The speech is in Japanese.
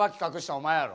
お前やろ。